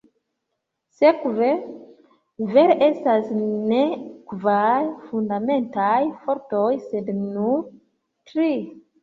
Sekve, vere estas ne kvar fundamentaj fortoj sed nur tri.